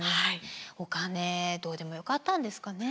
お金どうでもよかったんですかね。